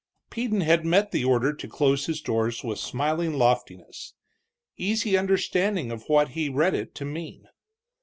Peden had met the order to close his doors with smiling loftiness, easy understanding of what he read it to mean.